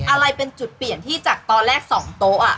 อะไรเป็นจุดเปลี่ยนที่จากตอนแรก๒โต๊ะ